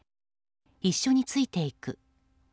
一緒についていく。